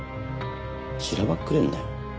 しらばっくれんなよ。